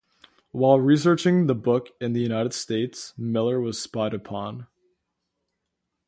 While researching the book in the United States, Miller was spied upon.